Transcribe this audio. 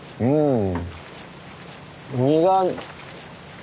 うん。